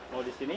mau di sini